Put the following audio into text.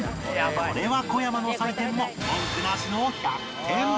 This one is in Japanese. これは小山の採点も文句なしの１００点